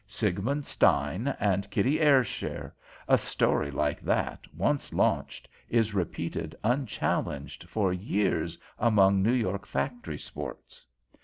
Siegmund Stein and Kitty Ayrshire a story like that, once launched, is repeated unchallenged for years among New York factory sports.